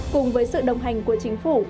cùng với sự đồng hành của chính phủ